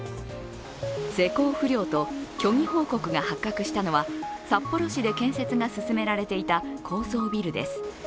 施工不良と虚偽報告が発覚したのは札幌市で建設が進められていた高層ビルです。